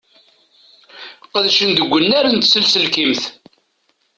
Qedcen deg unnar n tsenselkimt.